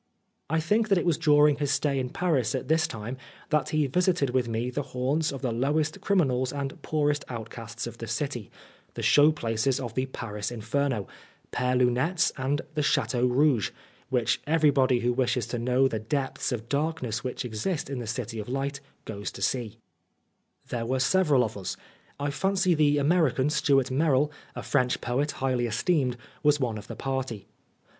I think that it was during his stay in Paris at this time that he visited with me the haunts of the lowest criminals and poorest outcasts of the city, the show places of the Paris Inferno, Pere Lunette's and the Chateau Rouge, which everybody who wishes to know the depths of darkness which exist in the City of Light goes to see. 94 Oscar Wilde There were several of us. I fancy the American, Stuart Merrill, a French poet highly esteemed, was one of the party.